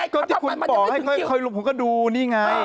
ก็ที่คุณบอกให้ค่อยลงผมก็ดูนี่ไง